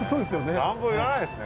暖房いらないですね